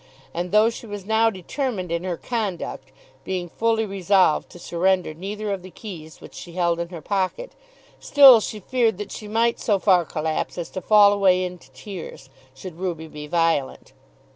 And though she was now determined in her conduct, being fully resolved to surrender neither of the keys which she held in her pocket, still she feared that she might so far collapse as to fall away into tears, should Ruby be violent.